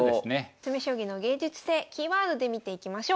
詰将棋の芸術性キーワードで見ていきましょう。